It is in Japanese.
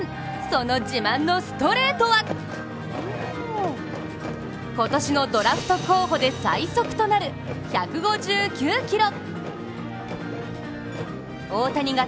その自慢のストレートは今年のドラフト候補で最速となる１５９キロ。